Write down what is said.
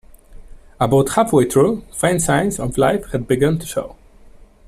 About half-way through, faint signs of life had begun to show.